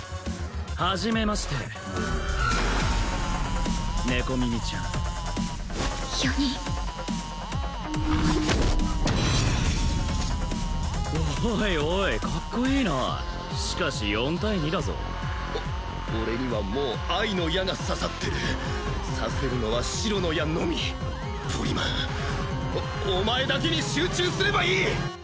はじめまして猫耳ちゃん４人おいおいカッコいいなしかし４対２だぞお俺にはもう愛の矢が刺さってる刺せるのは白の矢のみポリマンおお前だけに集中すればいい！